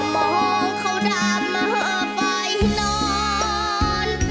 มองเขาดาบมหภัยโน้น